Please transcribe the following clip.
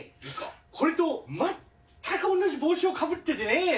これと全く同じ帽子をかぶっててね